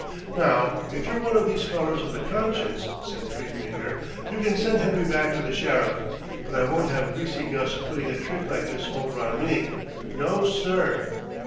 "Now, if you're one of these fellers with a conscience," said Three Finger, "you can send Henry back to the Sheriff. But I won't have Greasy Gus putting a trick like this over on me! No, sir!"